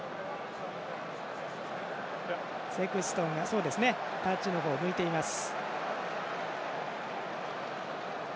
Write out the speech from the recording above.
セクストンがタッチの方を向いています。